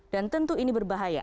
dan tentu ini berbahaya